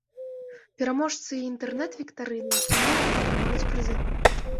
Пераможцы і інтэрнэт-віктарыны, і фіналу атрымаюць прызы.